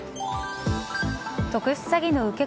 特殊詐欺の受け